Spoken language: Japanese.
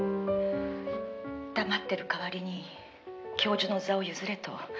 「黙ってる代わりに教授の座を譲れと」